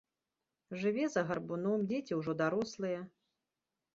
Жыве за гарбуном, дзеці ўжо дарослыя.